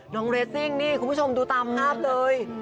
เรสซิ่งนี่คุณผู้ชมดูตามภาพเลย